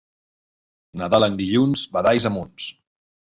Nadal en dilluns, badalls a munts.